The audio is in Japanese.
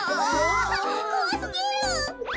あこわすぎる。